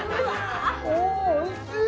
おおおいしい！